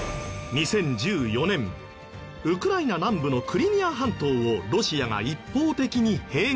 ２０１４年ウクライナ南部のクリミア半島をロシアが一方的に併合。